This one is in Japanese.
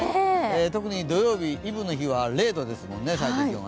特に土曜日、イブの日は０度ですもんね、最低気温が。